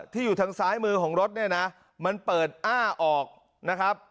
ที่อยู่ทางซ้ายมือของรถเนี่ยนะมันเปิดอ้าออกนะครับ